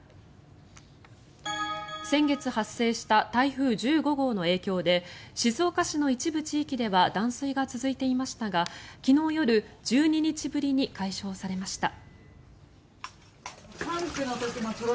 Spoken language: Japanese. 先月発生した台風１５号の影響で静岡市の一部地域では断水が続いていましたが昨日夜、１２日ぶりに解消されました。